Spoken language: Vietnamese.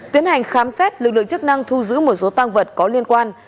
tiến hành khám xét lực lượng chức năng thu giữ một số tăng vật có liên quan